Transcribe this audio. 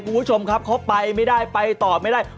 กูชมเขาไปไม่ได้ไปต่อไม่ได้